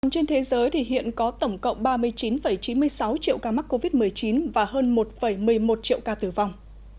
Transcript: trên thế giới thì hiện có tổng cộng ba mươi chín chín mươi sáu triệu ca mắc covid một mươi chín và hơn một một mươi một triệu ca tử vong